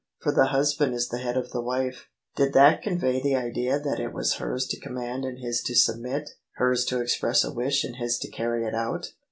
" For the husband is the head of the wife ":— did that con vey the idea that it was hers to command and his to submit ; hers to express a wish and his to carry it out?